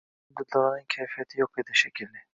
Oʻsha kuni Dildoraning kayfiyati yoʻqroq edi, shekilli.